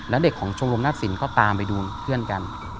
แล้วเด็กของชมรมนักสินก็ตามไปดูเพื่อนกัน